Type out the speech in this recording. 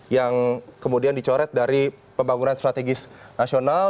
yang kemudian dicoret dari pembangunan strategis nasional